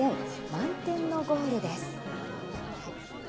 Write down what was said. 「満天のゴール」です。